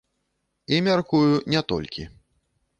І, мяркую, не толькі.